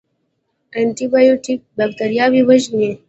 انټي بیوټیک بکتریاوې وژني